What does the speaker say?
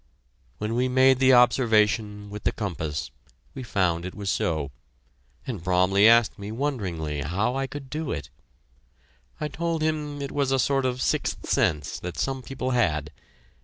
When we made the observation with the compass, we found it was so; and Bromley asked me, wonderingly, how I could do it. I told him it was a sort of sixth sense that some people had.